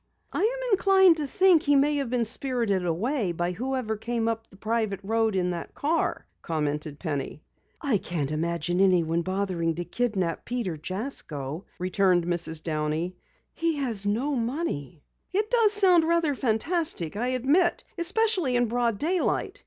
"I am inclined to think he may have been spirited away by whoever came up the private road in that car," commented Penny. "I can't imagine anyone bothering to kidnap Peter Jasko," returned Mrs. Downey. "He has no money." "It does sound rather fantastic, I admit. Especially in broad daylight.